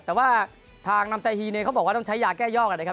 แต่ว่าทางนำแต่ฮีเนยเขาบอกว่าต้องใช้ยาแก้ย่อง